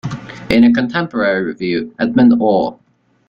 In a contemporary review, Edmund O.